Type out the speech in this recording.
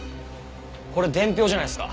これ伝票じゃないっすか？